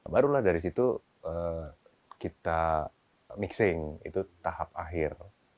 barulah dari situ kita mixing itu tahap akhir